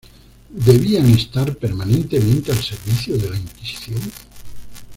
Debían estar permanentemente al servicio de la Inquisición.